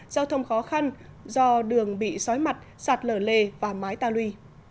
giao thông khó khăn do đường bị xói mặt sạt lở lề và mái tà lùi